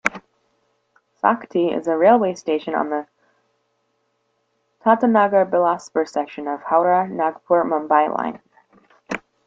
Sakti is a Railway Station on the Tatanagar-Bilaspur section of Howrah-Nagpur-Mumbai line.